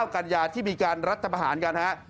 ๑๙กันยาที่มีการรัฐบาหารกัน